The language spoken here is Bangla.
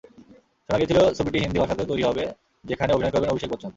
শোনা গিয়েছিল ছবিটি হিন্দি ভাষাতেও তৈরি হবে, যেখানে অভিনয় করবেন অভিষেক বচ্চন।